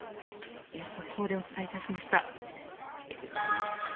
速報でお伝えいたしました。